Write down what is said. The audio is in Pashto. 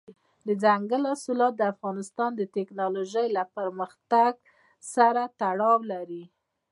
دځنګل حاصلات د افغانستان د تکنالوژۍ له پرمختګ سره تړاو لري.